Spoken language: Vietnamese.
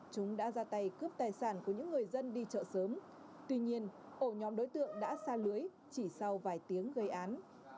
chúng đã ra tay cướp tài sản của những người dân đi chợ sớm tuy nhiên ổ nhóm đối tượng đã xa lưới chỉ sau vài tiếng gây án